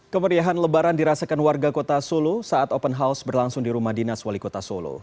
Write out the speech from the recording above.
kemeriahan lebaran dirasakan warga kota solo saat open house berlangsung di rumah dinas wali kota solo